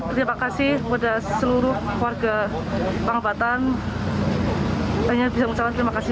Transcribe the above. seperti ini terima kasih kepada seluruh warga pangebatan hanya bisa mengucapkan terima kasih